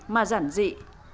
mà giản dị